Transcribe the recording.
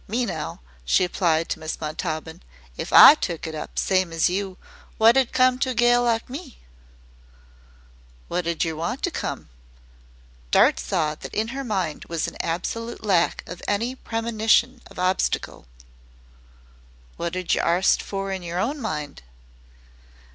Me now," she applied to Miss Montaubyn, "if I took it up same as you wot'd come to a gal like me?" "Wot ud yer want ter come?" Dart saw that in her mind was an absolute lack of any premonition of obstacle. "Wot'd yer arst fer in yer own mind?"